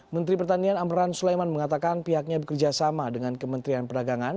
menteri pertanian amran sulaiman mengatakan pihaknya bekerja sama dengan kementerian perdagangan